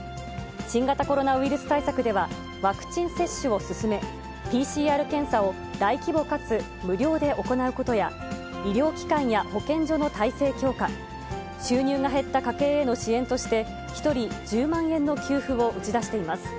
新型コロナウイルス対策では、ワクチン接種を進め、ＰＣＲ検査を大規模かつ無料で行うことや、医療機関や保健所の体制強化、収入が減った家庭への支援として、１人１０万円の給付を打ち出しています。